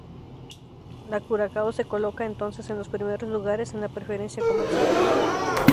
La Curacao se coloca entonces en los primeros lugares en la preferencia comercial.